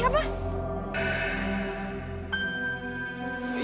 oh gak aneh apa